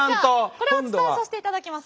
これは伝えさせていただきます。